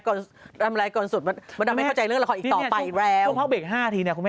ขอพักก่อนใช่ไหม